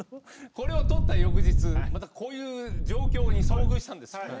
これを撮った翌日またこういう状況に遭遇したんです。